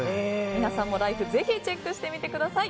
皆さんもライフぜひチェックしてみてください。